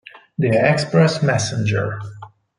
The Express Messenger